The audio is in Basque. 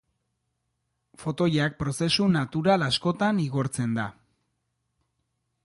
Fotoiak prozesu natural askotan igortzen da.